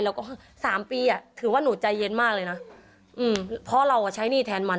แล้วก็สามปีอ่ะถือว่าหนูใจเย็นมากเลยนะอืมเพราะเราอ่ะใช้หนี้แทนมัน